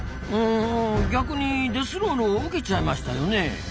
逆にデスロールを受けちゃいましたよね。